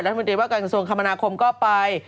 รัฐมนตรีว่าการกระทรวงคมนาคมก็ไป